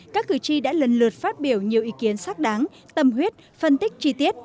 các cử tri đã lần lượt phát biểu nhiều ý kiến xác đáng tâm huyết phân tích chi tiết